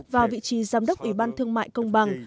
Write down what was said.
vào vị trí giám đốc ủy ban thương mại công bằng